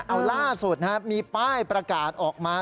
เออล่าสุดนะครับมีป้ายประกาศออกมา